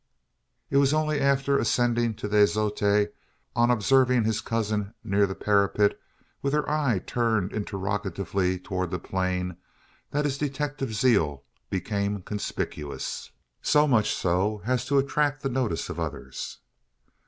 It was only after ascending to the azotea, on observing his cousin near the parapet, with her eye turned interrogatively towards the plain, that his detective zeal became conspicuous so much so as to attract the notice of others.